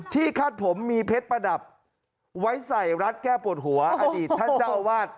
คาดผมมีเพชรประดับไว้ใส่รัฐแก้ปวดหัวอดีตท่านเจ้าวาด